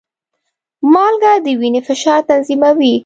مالګه د وینې فشار تنظیموي.